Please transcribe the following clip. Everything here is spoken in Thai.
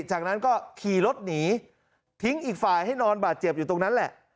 จากนั้นก็ขี่รถหนีทิ้งอีกฝ่ายให้นอนบาดเจ็บอยู่ตรงนั้นแหละ